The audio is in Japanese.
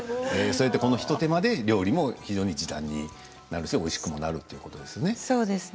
この一手間で料理も非常に時短になるし、おいしくもなるということですね。